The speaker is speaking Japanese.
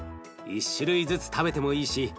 １種類ずつ食べてもいいし